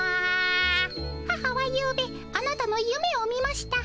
「母は夕べあなたのゆめを見ました。